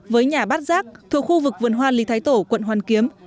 với nhà bát giác thuộc khu vực vườn hoa lý thái tổ quận hoàn kiếm